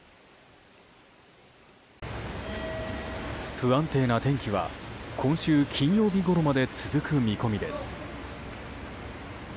不安定な天気は今週金曜日ごろまで続く見込みです。